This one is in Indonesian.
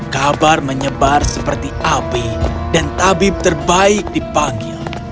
kabar menyebar seperti api dan tabib terbaik dipanggil